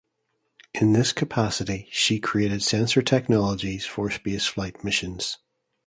In this capacity she created sensor technologies for spaceflight missions.